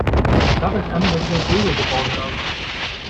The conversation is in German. Schaut euch an, was ich aus Lego gebaut habe!